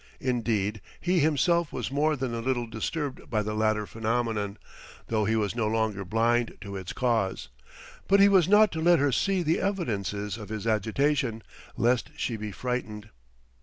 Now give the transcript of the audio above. Indeed, he himself was more than a little disturbed by the latter phenomenon, though he was no longer blind to its cause. But he was not to let her see the evidences of his agitation, lest she be frightened.